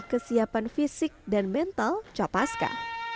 kesiapan fisik dan mental capaska